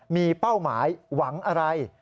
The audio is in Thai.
มีเป้าหมายหวังอะไร